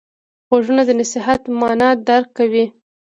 غوږونه د نصیحت معنی درک کوي